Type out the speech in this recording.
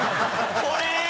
これ！